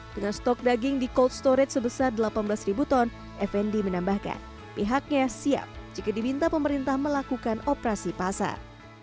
dengan stok daging di cold storage sebesar delapan belas ton effendi menambahkan pihaknya siap jika diminta pemerintah melakukan operasi pasar